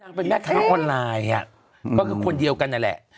นางเป็นนักของออนไลน์อ่ะอืมก็คือคนเดียวกันน่ะแหละ